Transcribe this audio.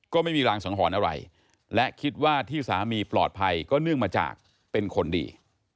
ก็ไม่มีรางสังหรณ์อะไรและคิดว่าที่สามีปลอดภัยก็เนื่องมาจากเป็นคนดี